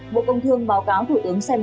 bộ công thương báo cáo thủ tướng sài gòn